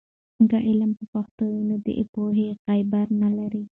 که علم په پښتو وي، نو د پوهې غبار نلري.